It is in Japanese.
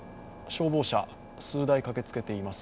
消防車数台駆けつけています。